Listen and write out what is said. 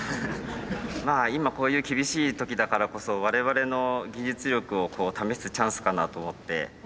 まあ今こういう厳しい時だからこそ我々の技術力を試すチャンスかなと思って。